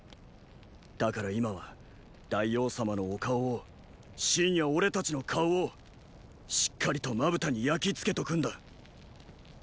だから今は大王様のお顔を信や俺たちの顔をしっかりとまぶたに焼きつけとくんだ。